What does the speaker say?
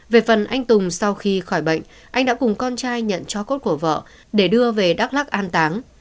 về phần anh tùng sau khi khỏi bệnh anh đã cùng con trai nhận cho cốt của vợ để đưa về đắk lắc an táng